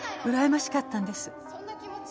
うらやましかったんです。